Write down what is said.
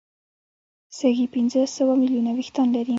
سږي پنځه سوه ملیونه وېښتان لري.